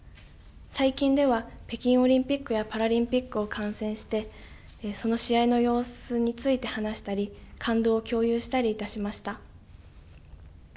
最近では北京オリンピックやパラリンピックを観戦してその試合の様子について話したり感動を共有したりいたしました。